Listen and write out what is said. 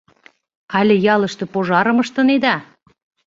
— Але ялыште пожарым ыштынеда?!